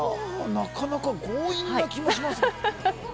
なかなか強引な気もしますけれども。